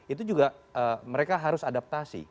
itu juga mereka harus adaptasi